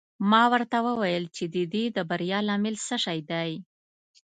ما ورته وویل چې د دې د بریا لامل څه شی دی.